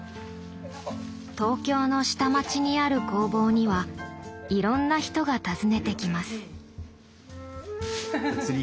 東京の下町にある工房にはいろんな人が訪ねてきます。